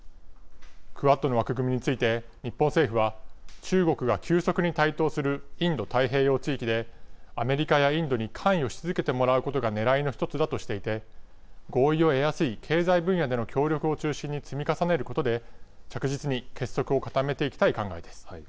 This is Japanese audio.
クアッドの枠組みについて、日本政府は、中国が急速に台頭するインド太平洋地域で、アメリカやインドに関与し続けてもらうことがねらいの一つだとしていて、合意を得やすい経済分野での協力を中心に積み重ねることで、着実に結束を固めていきたい考えです。